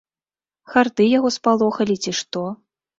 Харты яго спалохалі, ці што?